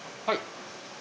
はい？